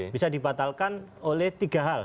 bisa dibatalkan oleh tiga hal